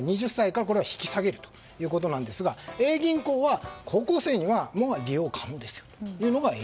２０歳から引き下げるということなんですがＡ銀行は高校生には利用可能ですと。